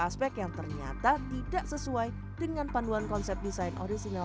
aspek yang ternyata tidak sesuai dengan panduan konsep desain orisinal